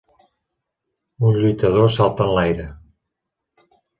Un lluitador salta enlaire.